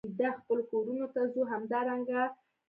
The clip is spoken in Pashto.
د دايکندي خلک نه یواځې دا چې معدني دي، بلکې ثروتمنده هم دي.